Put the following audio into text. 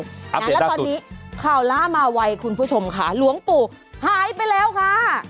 แล้วตอนนี้ข่าวล่ามาไวคุณผู้ชมค่ะหลวงปู่หายไปแล้วค่ะ